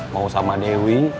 mau sama dewi